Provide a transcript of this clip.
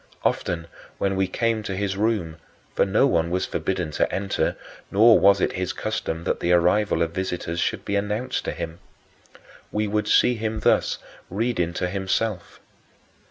Often when we came to his room for no one was forbidden to enter, nor was it his custom that the arrival of visitors should be announced to him we would see him thus reading to himself.